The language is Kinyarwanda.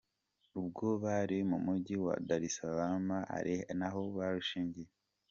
Ubwo bari mu mujyi wa Dar es Salaam ari naho barushingiye.